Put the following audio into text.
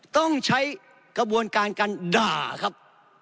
ต้องใช้กระบวนการการด่าครับ